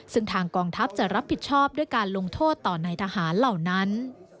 ซึ่งทางกองทัพจะรับผิดชอบด้วยการลงโทษต่อในทหารเหล่านั้น